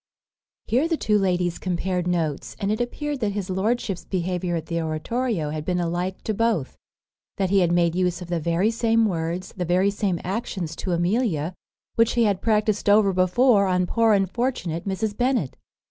Here the two ladies compared notes; and it appeared that his lordship's behaviour at the oratorio had been alike to both; that he had made use of the very same words, the very same actions to Amelia, which he had practised over before on poor unfortunate Mrs. Bennet.